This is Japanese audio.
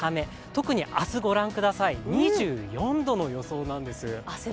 特に明日ご覧ください、２４度の予想なんです。